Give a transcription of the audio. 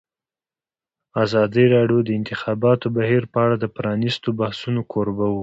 ازادي راډیو د د انتخاباتو بهیر په اړه د پرانیستو بحثونو کوربه وه.